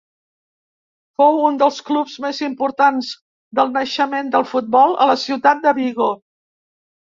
Fou un dels clubs més importants del naixement del futbol a la ciutat de Vigo.